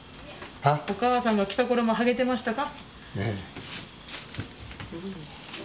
お母さんが来た頃も剥げてましたか？